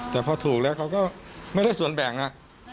แต่พอถูกแล้วเขาก็ไม่ได้ส่วนแบ่ง